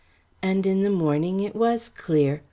And in the morning it was clear.